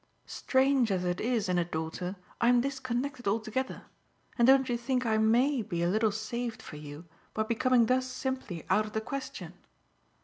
Strange as it is in a daughter I'm disconnected altogether, and don't you think I MAY be a little saved for you by becoming thus simply out of the question?